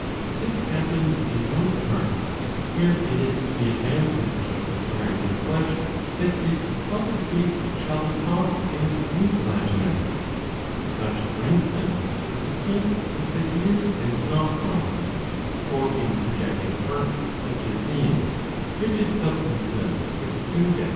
This happens in those parts where it is to the advantage of the surrounding flesh that its solid base shall be soft and mucilaginous. Such, for instance, is the case with the ears and nostrils ; for in projecting parts, such as these, rigid substances would soon get 655 a.